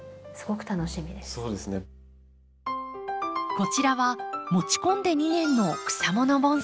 こちらは持ち込んで２年の草もの盆栽。